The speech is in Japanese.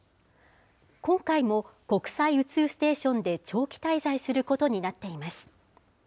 今回も国際宇宙ステーションで長期滞在することになっています。